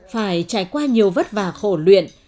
phải trải qua nhiều vất vả khổ luyện